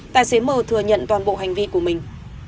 tài xế m thừa nhận toàn bộ hành vi của mình